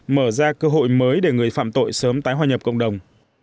mở ra cơ hội mới để người phạm tội sớm tái hòa nhập cộng đồng